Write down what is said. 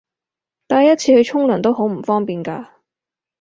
帶一次去沖涼都好唔方便㗎